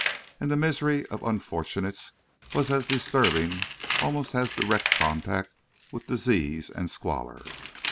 And the misery of unfortunates was as disturbing almost as direct contact with disease and squalor.